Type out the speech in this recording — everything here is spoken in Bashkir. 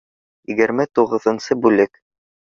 Егерме туғыҙынсы бүлек